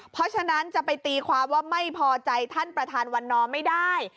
เพราะฉะนั้นจะไปตีความว่าไม่พอใจท่านประธานวันนอร์ไม่ได้